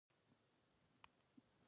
د نظام بنسټیزې ادارې ملي وي نه حکومتي.